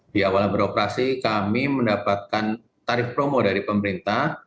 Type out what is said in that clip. di awal beroperasi kami mendapatkan tarif promo dari pemerintah